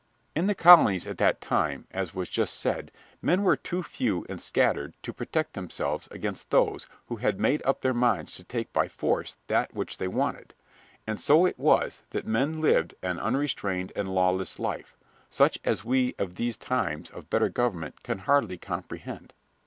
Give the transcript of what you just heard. In the colonies at that time, as was just said, men were too few and scattered to protect themselves against those who had made up their minds to take by force that which they wanted, and so it was that men lived an unrestrained and lawless life, such as we of these times of better government can hardly comprehend.